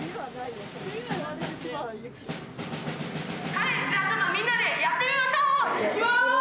はいじゃあちょっとみんなでやってみましょう！いきます！